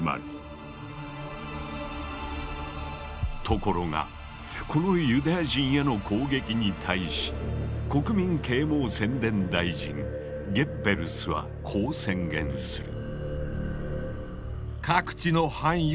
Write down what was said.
ところがこのユダヤ人への攻撃に対し国民啓蒙宣伝大臣ゲッベルスはこう宣言する。